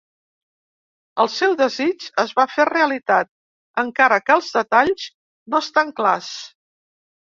El seu desig es va fer realitat, encara que els detalls no estan clars.